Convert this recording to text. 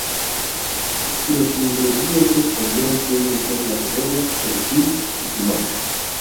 Los ingredientes comunes suelen ser las cebollas, perejil y sumac.